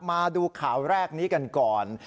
มาดูข่าวแรกนี้กันก่อน